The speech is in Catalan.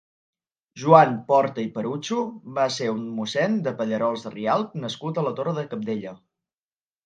Joan Porta i Perucho va ser un mossèn de Pallerols de Rialb nascut a la Torre de Cabdella.